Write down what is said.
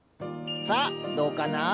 さあどうかな？